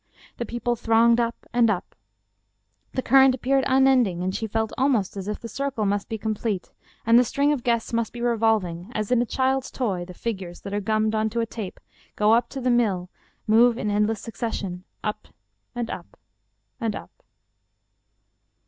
The people thronged up and up. The current appeared unending, and she felt almost as if the circle must be com plete, and the string of guests must be revolving, as in a child's toy the figures that are gummed on to a tape and go up to the mill move in endless succession up and up and up.